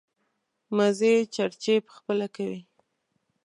مزې چړچې په خپله کوي.